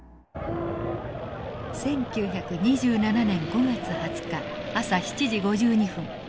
１９２７年５月２０日朝７時５２分。